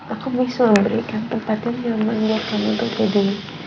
aku bisa memberikan tempat yang nyaman buat kamu untuk jadi